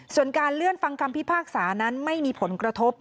ส่วนการเลื่อนฟังคำพิพากษานั้นไม่มีผลกระทบ